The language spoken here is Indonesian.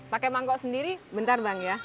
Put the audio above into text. pakai mangkok sendiri bentar bang ya